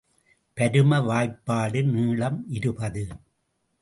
பரும வாய்ப்பாடு நீளம் இருபது.